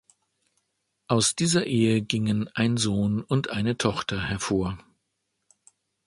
Aus dieser Ehe gingen ein Sohn und eine Tochter hervor.